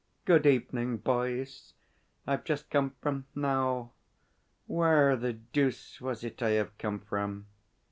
'Good evening, boys! I've just come from now where the dooce was it I have come from?'